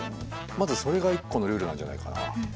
まずそれが一個のルールなんじゃないかな。